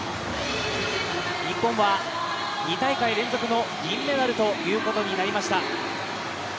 日本は２大会連続の銀メダルとなりました。